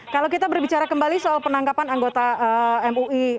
kalau kita berbicara kembali soal penangkapan anggota mui